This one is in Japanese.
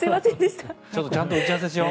ちゃんと打ち合わせしよう。